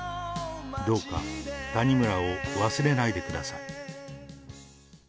どうか、谷村を忘れないでください。